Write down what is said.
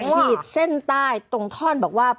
ขีดเส้นใต้ตรงท่อนบอกว่า